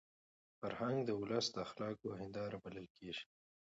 فرهنګ د ولس د اخلاقو هنداره بلل کېږي.